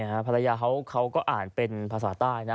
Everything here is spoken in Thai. ภรรยาเขาก็อ่านเป็นภาษาใต้นะ